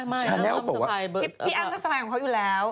พี่อ้ำก็สบายของเขาอยู่แล้ว